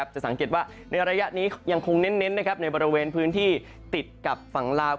จะสังเกตว่าในระยะนี้ยังคงเน้นในบริเวณพื้นที่ติดกับฝั่งลาว